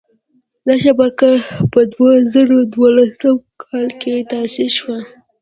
دا شبکه په دوه زره دولسم کال کې تاسیس شوه.